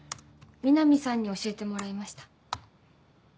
南さんに教えてもらいました。